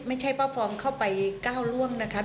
ไม่ใช่พ่อฟองเข้าไปก้าวร่วงนะคะ